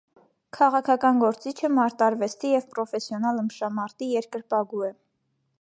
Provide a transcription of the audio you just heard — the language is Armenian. Քաղաքական գործիչը մարտարվեստի և պրոֆեսիոնալ ըմբշամարտի երկրպագու է։